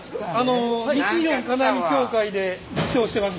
西日本金網協会で理事長してます